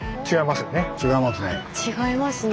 違いますよね。